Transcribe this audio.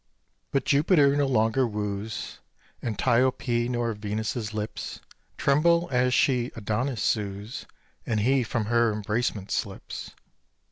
But Jupiter no longer wooes Antiope, nor Venus' lips Tremble as she Adonis sues, And he from her embracement slips.